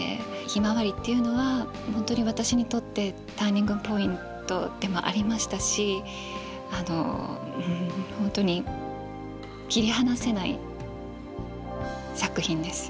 「ひまわり」っていうのは本当に私にとってターニングポイントでもありましたし本当に切り離せない作品です。